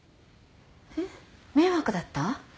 えっ迷惑だった？